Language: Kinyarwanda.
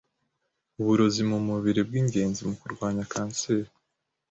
uburozi mu mubiri bw’ingenzi mu kurwanya kanseri